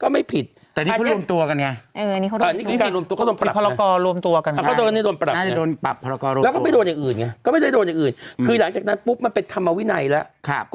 หลายจากนั้นทั้งมีธรรมวินัยแล้ว